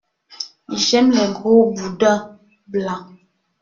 J'aime les gros boudins blancs.